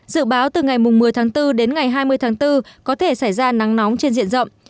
dự báo từ ngày một mươi tháng bốn đến ngày hai mươi tháng bốn có thể xảy ra nắng nóng trên diện rộng